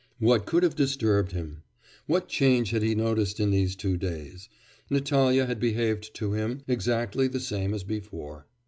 What could have disturbed him? what change had he noticed in these two days? Natalya had behaved to him exactly the same as before....